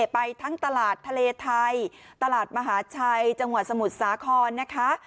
ไปทั้งตลาดทะเลไทยตลาดมหาชัยจังหวัดสมุทรสาครนะคะ